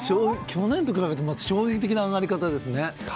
去年と比べて衝撃的な上がり方ですね。